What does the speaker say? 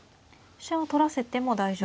飛車を取らせても大丈夫。